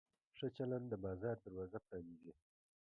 ښه چلند د بازار دروازه پرانیزي.